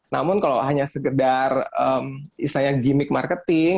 namun kalau hanya segedar istilahnya gimmick marketing